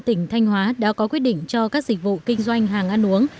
tỉnh thanh hóa đã có quyết định cho các dịch vụ kinh doanh hàng ăn uống